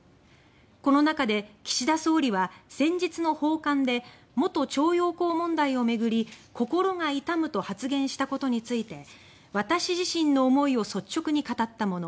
この中で岸田総理は先日の訪韓で元徴用工問題を巡り「心が痛む」と発言したことについて「私自身の思いを率直に語ったもの。